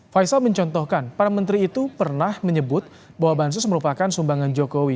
faisal mencontohkan para menteri itu pernah menyebut bahwa bansos merupakan sumbangan jokowi